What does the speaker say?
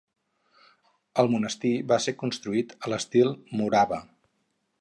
El monestir va ser construït a l'estil Morava.